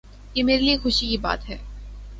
یہ میرے لیے خوشی کی بات ہے۔